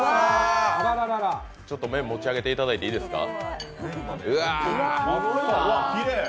ちょっと麺、持ち上げていただいていいですか？